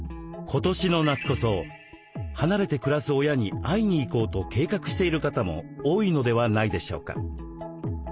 今年の夏こそ離れて暮らす親に会いに行こうと計画している方も多いのではないでしょうか？